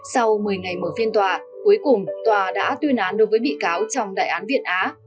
sau một mươi ngày mở phiên tòa cuối cùng tòa đã tuyên án đối với bị cáo trong đại án việt á